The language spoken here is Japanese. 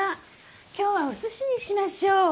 今日はお寿司にしましょう。